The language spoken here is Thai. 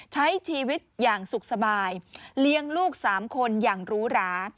ใช้ชีวิตอย่างสุขสบายเลี้ยงลูก๓คนอย่างหรูหรา